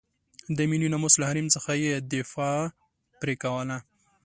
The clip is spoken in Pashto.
د ملي ناموس له حریم څخه یې دفاع پرې کوله.